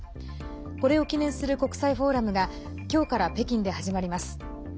これを記念する国際フォーラムが今日から北京で始まります。